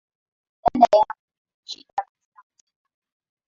Dada yangu nilimshinda katika mitihani